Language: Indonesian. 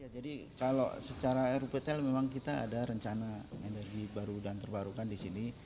jadi kalau secara ruptl memang kita ada rencana energi baru dan terbarukan di sini